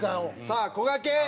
さあこがけん！